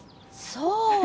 そう。